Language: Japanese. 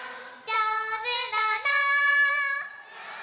「じょうずだな」